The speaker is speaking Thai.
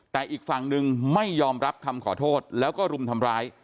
แต่อีกฝั่งนึงไม่ยอมรับคำขอโทษแล้วก็รุมทำร้าย